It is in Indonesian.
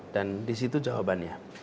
dan disitu jawabannya